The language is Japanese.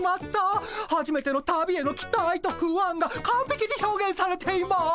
はじめての旅への期待と不安がかんぺきに表現されています。